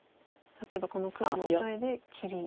例えばこの黒のオサエで切り。